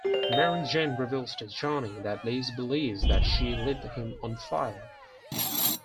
Mary Jane reveals to Johnny that Liz believes that "she" lit him on fire.